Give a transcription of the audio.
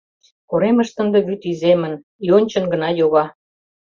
Коремыште ынде вӱд иземын, йончын гына йога.